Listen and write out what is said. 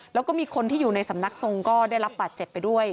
แล้วก็มีคนที่อยู่ในสำนักทรงก็ได้รับบาดเจ็บไปด้วย